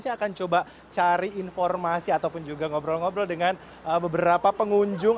saya akan coba cari informasi ataupun juga ngobrol ngobrol dengan beberapa pengunjung